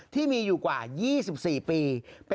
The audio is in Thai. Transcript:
ที่มีอยู่กว่า๒๔ปี